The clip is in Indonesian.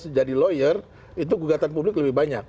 sejadi lawyer itu gugatan publik lebih banyak